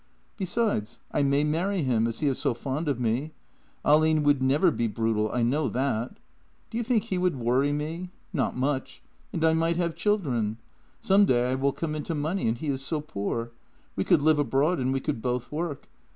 Besides, I may marry him, as he is so fond of me. Ahlin would never be brutal — I know that. Do you think JENNY 55 he would worry me? Not much. And I might have children. Some day I will come into money, and he is so poor. We could live abroad and we could both work.